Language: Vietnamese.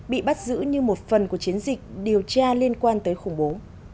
bị bắt giữ như một phần của chiến dịch điều tra liên quan tới khủng bố